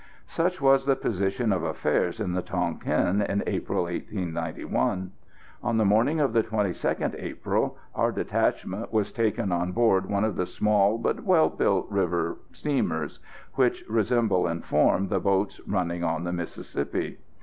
Such was the position of affairs in the Tonquin in April, 1891. On the morning of the 22nd April our detachment was taken on board one of the small but well built river steamers which resemble in form the boats running on the Mississippi.